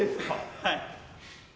はい。